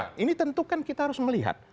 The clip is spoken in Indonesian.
nah ini tentu kan kita harus melihat